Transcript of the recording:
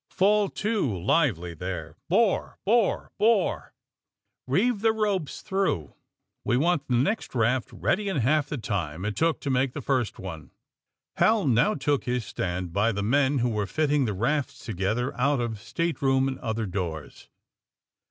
Fall to lively, there. Bore, bore, bore! Eeeve the ropes through! We want the next raft ready in half the time it took to make the first one." Hal now took his stand by the men who were fitting the rafts together out of stateroom and other doors.